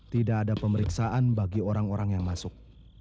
tidak ada pemeriksaan bagi orang orang yang masuk